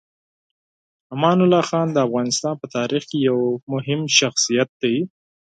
امان الله خان د افغانستان په تاریخ کې یو مهم شخصیت دی.